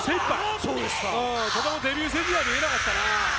とてもデビュー戦には見えなかったな。